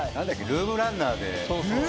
ルームランナー！